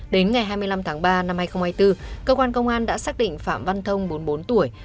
đến ngày hai mươi năm tháng ba năm hai nghìn hai mươi bốn cơ quan công an đã xác định phạm văn thông bốn mươi bốn tuổi